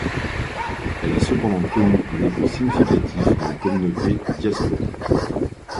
Elle a cependant connu un écho significatif dans les communautés diasporiques.